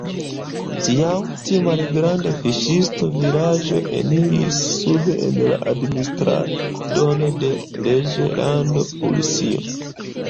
Tiam tiu malgranda fiŝista vilaĝo eniris sub en la administradon de Reĝlando Prusio.